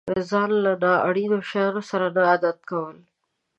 ځان له نا اړينو شيانو سره نه عادت کول.